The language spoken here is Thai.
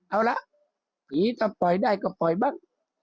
เอาละผีถ้าปล่อยได้ก็ปล่อยบ้าง